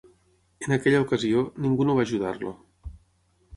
En aquella ocasió, ningú no va ajudar-lo.